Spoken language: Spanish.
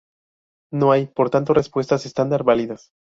No hay, por tanto, respuestas estándar válidas.